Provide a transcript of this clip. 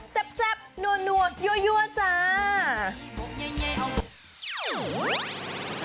แซ่บหนัวยั่วจ้า